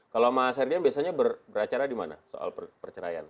kalau mas herdian biasanya beracara di mana soal perceraian